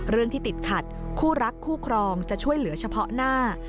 เรื่องที่ติดขัดคู่รักคู่ครองจะช่วยเหลือเฉพาะหน้า